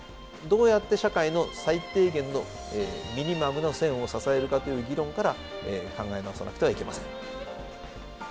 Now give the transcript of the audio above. どうやって社会の最低限のミニマムの線を支えるかという議論から考え直さなくてはいけません。